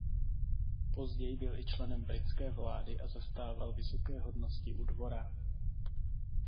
Později byl i členem britské vlády a zastával vysoké hodnosti u dvora.